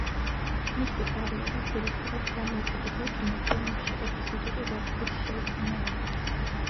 მისი კარიერა ძირითადად დამოუკიდებელ კინოფილმებში ეპიზოდური როლებით შეიქმნა.